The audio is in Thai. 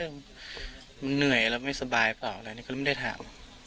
มันเหนื่อยแล้วไม่สบายเปล่าอะไรนี่ก็ไม่ได้ถาม